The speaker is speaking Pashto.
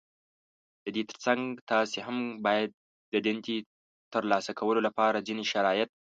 د دې تر څنګ تاسې هم بايد د دندې ترلاسه کولو لپاره ځينې شرايط